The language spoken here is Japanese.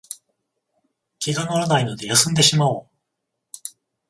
気が乗らないので休んでしまおう